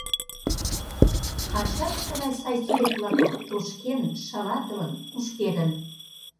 Ачаже тыгай сай сӱрет-влакым тошкен, шалатылын, кушкедын.